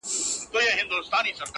o سیاه پوسي ده، ترې کډي اخلو.